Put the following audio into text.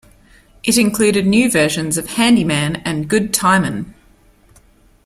It included new versions of "Handy Man" and "Good Timin'".